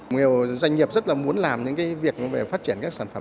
nhiều doanh nghiệp rất là muốn làm những cái việc về phát triển các sản phẩm